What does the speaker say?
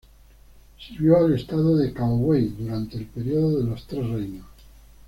Sirvió al estado de Cao Wei durante el periodo de los Tres Reinos.